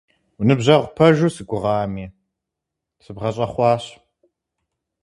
Уныбжьэгъу пэжу си гугъами, сыбгъэщӀэхъуащ.